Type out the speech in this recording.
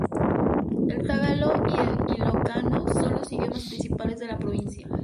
El tagalo y el ilocano son los idiomas principales de la provincia.